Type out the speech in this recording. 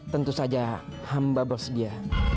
tentu saja hamba bersedia